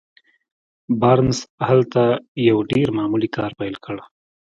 بارنس هلته يو ډېر معمولي کار پيل کړ.